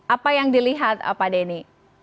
apa yang dilihat pak denny